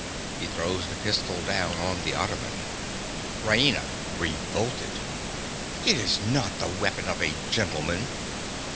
(He throws the pistol down on the ottoman.) RAINA. (revolted). It is not the weapon of a gentleman!